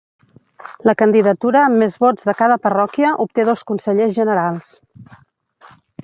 La candidatura amb més vots de cada parròquia obté dos consellers generals.